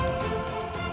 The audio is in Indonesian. mari nanda prabu